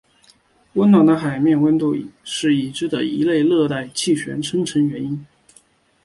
温暖的海面温度是已知的一类热带气旋生成原因。